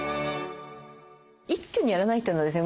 一挙にやらないというのはですね